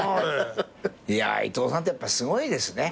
いや伊東さんってやっぱりすごいですね。